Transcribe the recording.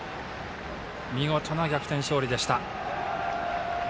見事な逆転勝利でした。